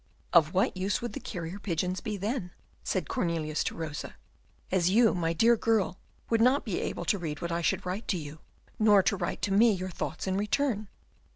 "Of what use would the carrier pigeons then be?" said Cornelius to Rosa, "as you, my dear girl, would not be able to read what I should write to you, nor to write to me your thoughts in return."